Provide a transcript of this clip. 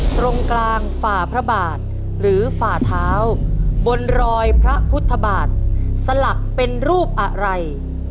ตรงกลางฝ่าพระบาทหรือฝ่าเท้าบนรอยพระพุทธบาทสลักเป็นรูปอะไร